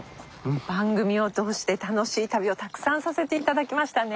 番組を通して楽しい旅をたくさんさせて頂きましたね。